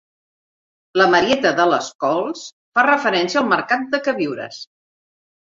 La Marieta de les Cols fa referència al mercat de queviures.